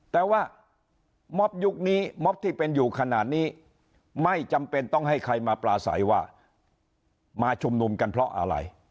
แต่ว่าม็อบยุคนี้ม็อบที่เป็นอยู่ขนาดนี้ไม่จำเป็นต้องให้ใครมาปลาใสว่ามาชุมนุมกันเพราะอะไร